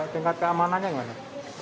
tingkat keamanannya gimana